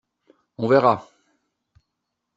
On verra.